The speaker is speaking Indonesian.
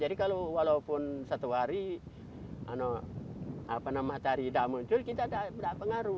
kalau walaupun satu hari matahari tidak muncul kita tidak pengaruh